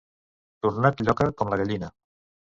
Tornat lloca, com la gallina.